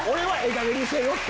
かげんにせぇよ！って。